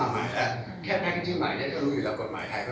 อายุใหม่กฎหมายไทยเราก็รู้อยู่แล้วก็จะต้องขออายุใหม่